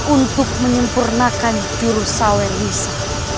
untuk menyempurnakan jurusawir lisa